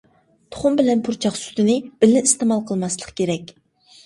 تۇخۇم بىلەن پۇرچاق سۈتىنى بىللە ئىستېمال قىلماسلىق كېرەك.